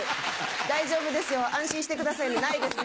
大丈夫ですよ安心してくださいねないですよ